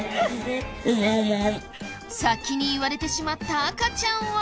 先に言われてしまった赤ちゃんは。